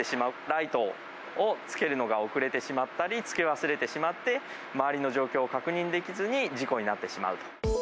ライトをつけるのが遅れてしまったり、つけ忘れてしまって、周りの状況を確認できずに、事故になってしまうと。